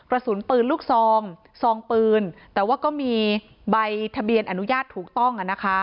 กระสุนปืนลูกซองซองปืนแต่ว่าก็มีใบทะเบียนอนุญาตถูกต้อง